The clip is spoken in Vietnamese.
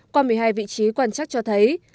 qua một mươi hai vị trí quan trắc cho thấy